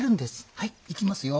はいいきますよ。